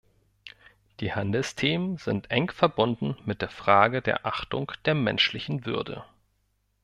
Die Handelsthemen sind eng verbunden mit der Frage der Achtung der menschlichen Würde.